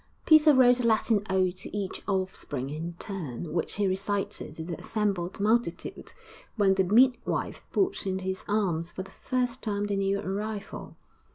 Peter wrote a Latin ode to each offspring in turn, which he recited to the assembled multitude when the midwife put into his arms for the first time the new arrival.